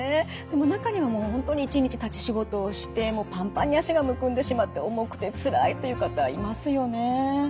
でも中にはもう本当に一日立ち仕事をしてもうパンパンに脚がむくんでしまって重くてつらいという方いますよね。